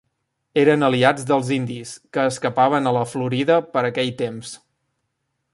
Eren aliats dels indis que escapaven a la Florida per aquell temps.